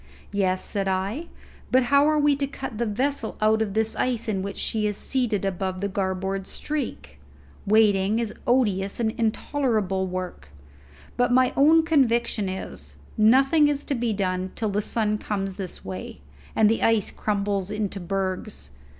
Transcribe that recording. "Yes," said I, "but how are we to cut the vessel out of the ice in which she is seated to above the garboard streak? Waiting is odious and intolerable work; but my own conviction is, nothing is to be done till the sun comes this way, and the ice crumbles into bergs.